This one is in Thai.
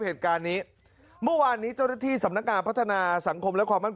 เหตุการณ์นี้เมื่อวานนี้เจ้าหน้าที่สำนักงานพัฒนาสังคมและความมั่น